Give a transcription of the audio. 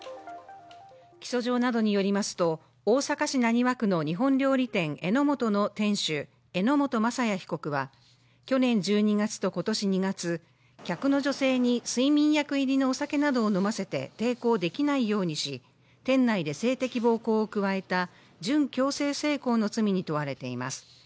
起訴状などによりますと大阪市浪速区の日本料理店、榎本の店主榎本正哉被告は去年１２月と今年２月、客の女性に睡眠薬入りのお酒などを飲ませて抵抗できないようにし店内で性的暴行を加えた準強制性交の罪に問われています。